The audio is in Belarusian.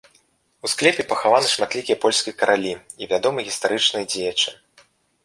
У склепе пахаваны шматлікія польскія каралі і вядомыя гістарычныя дзеячы.